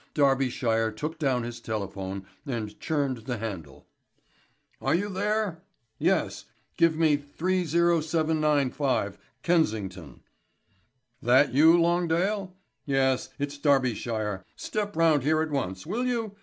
Darbyshire took down his telephone and churned the handle. "Are you there? Yes, give me 30795, Kensington.... That you, Longdale? Yes, it's Darbyshire. Step round here at once, will you?